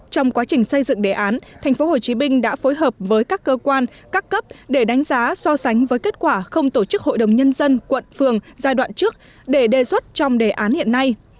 trong quá trình xây dựng đề án tp hcm đã phối hợp với các cơ quan các cấp để đánh giá so sánh với kết quả không tổ chức hội đồng nhân dân quận phường giai đoạn trước để đề xuất trong đề án hiện nay